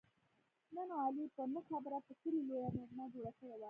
نن علي په نه خبره په کلي لویه مجمع جوړه کړې وه.